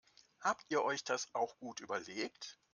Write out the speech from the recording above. Habt ihr euch das auch gut überlegt?